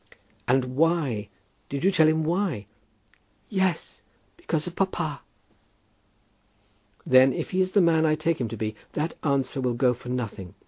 "And why; did you tell him why?" "Yes; because of papa!" "Then, if he is the man I take him to be, that answer will go for nothing.